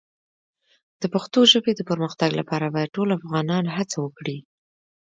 د پښتو ژبې د پرمختګ لپاره باید ټول افغانان هڅه وکړي.